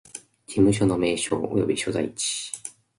事務所の名称及び所在地